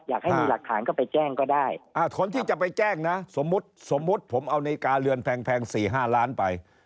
อยากให้มีหลักฐานก็ไปแจ้งก็ได้คนที่จะไปแจ้งนะสมมุติสมมุติผมเอานาฬิกาเรือนแพง๔๕ล้านไป